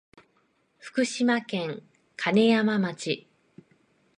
福島県金山町